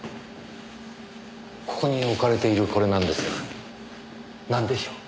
ここに置かれているこれなんですがなんでしょう？